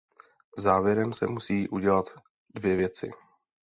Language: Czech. Závěrem se musí udělat dvě věci.